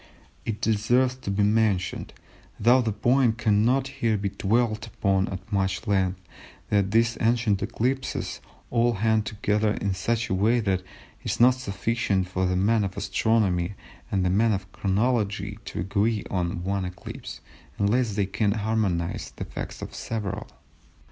It deserves to be mentioned, though the point cannot here be dwelt upon at much length, that these ancient eclipses all hang together in such a way that it is not sufficient for the man of Astronomy and the man of Chronology to agree on one eclipse, unless they can harmonise the facts of several.